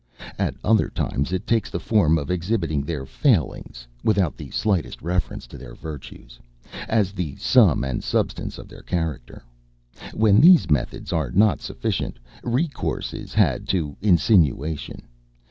At other times it takes the form of exhibiting their failings, without the slightest reference to their virtues, as the sum and substance of their character. When these methods are not sufficient, recourse is had to insinuation.